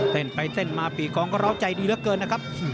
เต้นไปเต้นมาปีกองก็ร้าวใจดีเหลือเกินนะครับ